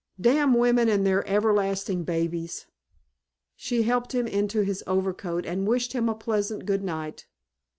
Damn women and their everlasting babies." She helped him into his overcoat and wished him a pleasant good night.